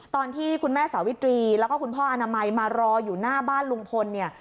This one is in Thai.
ตอนที่คุณแม่สาวิตรีแล้วก็คุณพ่ออนามัยมารออยู่หน้าบ้านลุงพลเนี่ย